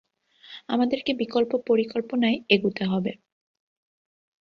আমাদেরকে বিকল্প পরিকল্পনায় এগুতে হবে।